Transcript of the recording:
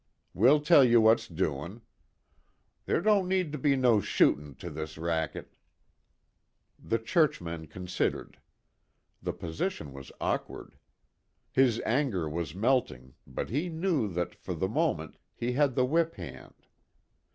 We'll tell you what's doin'. Ther' don't need be no shootin' to this racket." The churchman considered. The position was awkward. His anger was melting, but he knew that, for the moment, he had the whip hand.